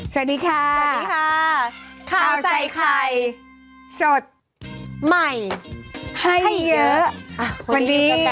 สวัสดีค่ะสวัสดีค่ะข้าวใส่ไข่สดใหม่ให้เยอะวันนี้